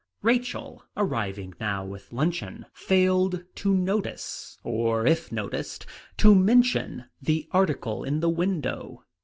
Rachel, arriving now with luncheon, failed to notice, or if noticed, to mention the article in the window.